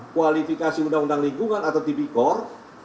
kualifikasi undang undang lingkungan atau tipikor